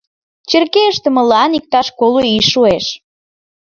Черке ыштымылан иктаж коло ий шуэш.